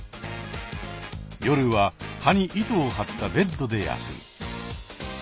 夜は葉に糸を張ったベッドで休む。